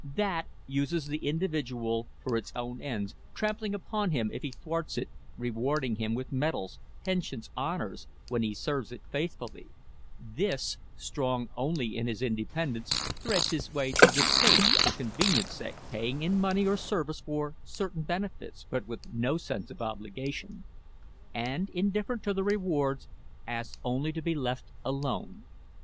THAT uses the individual for its own ends, trampling upon him if he thwarts it, rewarding him with medals, pensions, honours, when he serves it faithfully; THIS, strong only in his independence, threads his way through the state, for convenience' sake, paying in money or service for certain benefits, but with no sense of obligation; and, indifferent to the rewards, asks only to be left alone.